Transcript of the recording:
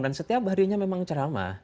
dan setiap hari ini memang cerama